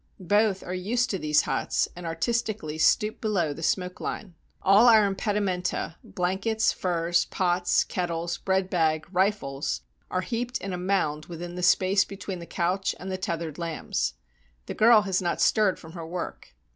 Both are used to these huts, and artis tically stoop below the smoke line. All our impedi menta — blankets, furs, pots, kettles, bread bag, rifles — are heaped in a mound within the space between the couch and the tethered lambs. The girl has not stirred from her work.